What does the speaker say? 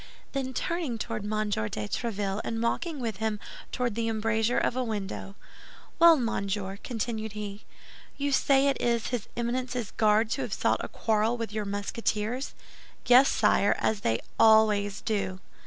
Then turning toward M. de Tréville and walking with him toward the embrasure of a window, "Well, monsieur," continued he, "you say it is his Eminence's Guards who have sought a quarrel with your Musketeers?" "Yes, sire, as they always do."